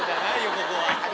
ここは。